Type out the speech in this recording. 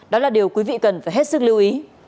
đó là điều quý vị cần phải hết sức lưu ý